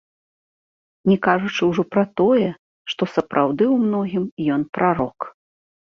Не кажучы ўжо пра тое, што сапраўды ў многім ён прарок.